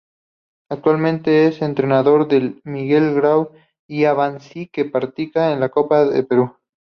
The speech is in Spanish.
Actualmente es entrenador del Miguel Grau de Abancay que participa en la Copa Perú.